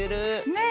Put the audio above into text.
ねえ。